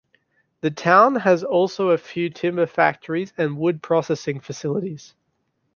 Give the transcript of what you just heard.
The town has also a few timber factories and wood processing facilities.